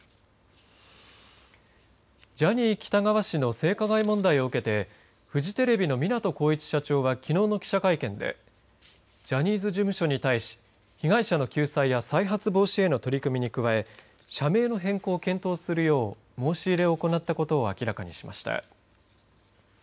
ジャニー喜多川氏の性加害問題を受けてフジテレビの港浩一社長はきのうの記者会見でジャニーズ事務所に対し被害者の救済や再発防止への取り組みに加え社名の変更を検討するよう申し入れを行ったことを明らかにしました。